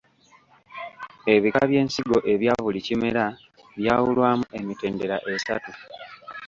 Ebika by’ensigo ebya buli kimera byawulwamu emitendera esatu.